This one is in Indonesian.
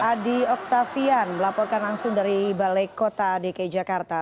tapi visiting uttari yadagino harukha